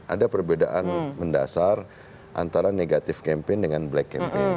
ada perbedaan mendasar antara negatif campaign dengan black campaign